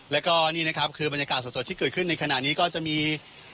แล้วก็นี่นะครับคือบรรยากาศสดที่เกิดขึ้นในขณะนี้ก็จะมี